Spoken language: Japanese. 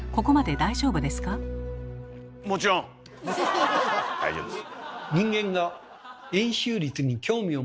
大丈夫ですよ。